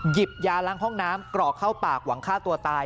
ยาล้างห้องน้ำกรอกเข้าปากหวังฆ่าตัวตาย